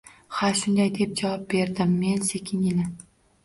Ha, shunday, – deb javob berdim men sekingina.